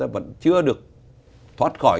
vẫn chưa được thoát khỏi